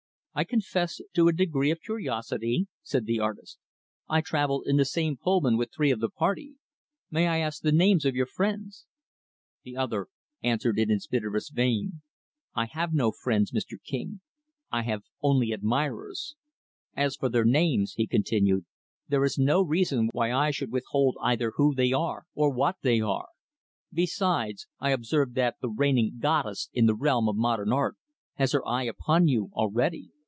"I confess to a degree of curiosity," said the artist. "I traveled in the same Pullman with three of the party. May I ask the names of your friends?" The other answered in his bitterest vein; "I have no friends, Mr. King I have only admirers. As for their names" he continued "there is no reason why I should withhold either who they are or what they are. Besides, I observed that the reigning 'Goddess' in the realm of 'Modern Art' has her eye upon you, already.